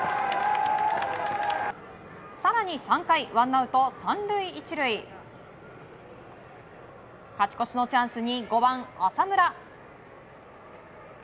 更に３回、ワンアウト３塁１塁勝ち越しのチャンスに５番、浅村。